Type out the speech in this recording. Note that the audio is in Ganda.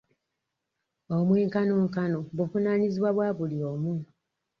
Omwenkanonkano buvunaanyizibwa bwa buli omu.